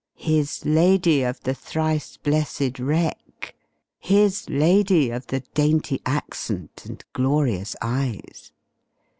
His lady of the thrice blessed wreck! His lady of the dainty accent and glorious eyes.